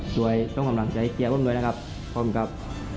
โดยต้องกำลังใจเกียร์ร่วมรวยนะครับขอบคุณครับ